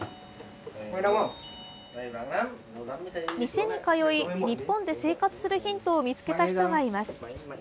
店に通い、日本で生活するヒントを見つけた人がいます。